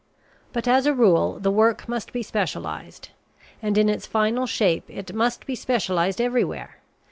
But as a rule the work must be specialized; and in its final shape it must be specialized everywhere.